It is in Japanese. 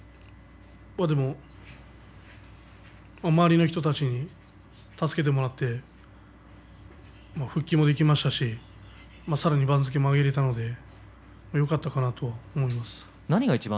周りの人に助けてもらって復帰もできましたしさらに番付を上げられたのでよかったかなと思います。